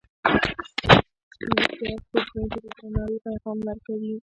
ملکیار سپوږمۍ ته د درناوي پیغام ورکوي.